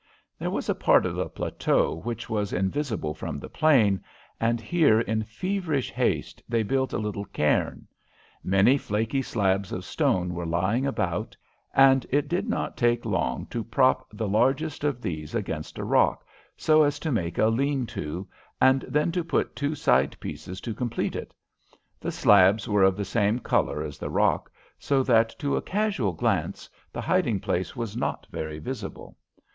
There was a part of the plateau which was invisible from the plain, and here in feverish haste they built a little cairn. Many flaky slabs of stone were lying about, and it did not take long to prop the largest of these against a rock, so as to make a lean to, and then to put two side pieces to complete it. The slabs were of the same colour as the rock, so that to a casual glance the hiding place was not very visible.